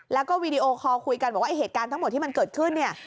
แล้วก็วีดีโอคอลคุยกันบอกว่าไอ้เหตุการณ์ทั้งหมดที่มันเกิดขึ้นเนี่ย